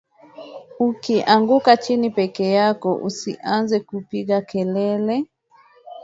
Ukianguka chini pekee yako usianze kupiga kelele